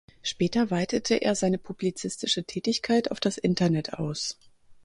Später weitete er seine publizistische Tätigkeit auf das Internet aus.